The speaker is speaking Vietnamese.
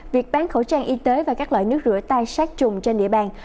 việc bán khẩu trang y tế và các loại nước rửa tay sát trùng trên địa bàn